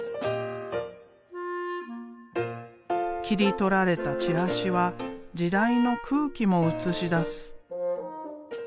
切り取られたチラシは時代の空気も映し出す。